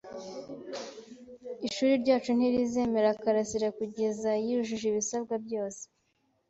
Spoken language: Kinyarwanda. Ishuri ryacu ntirizemera karasira kugeza yujuje ibisabwa byose.